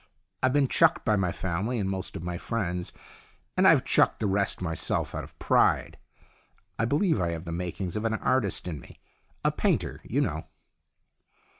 I've been chucked by my family and most of my friends, and I've chucked the rest myself, out of pride. I believe I have the makings of an artist in me a painter, you know."